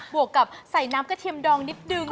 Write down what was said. วกกับใส่น้ำกระเทียมดองนิดนึง